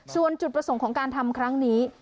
ส่วนจุดประสงค์ของการทำครั้งนี้